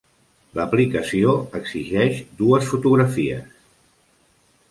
L'aplicació exigeix dues fotografies.